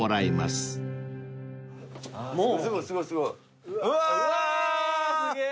すごいね。